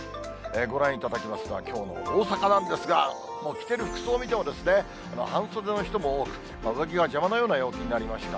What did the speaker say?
ご覧いただきますのは、きょうの大阪なんですが、もう着てる服装見ても半袖の人も多く、上着が邪魔なような陽気になりました。